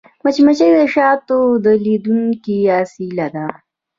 مچمچۍ د شاتو تولیدوونکې اصلیه ده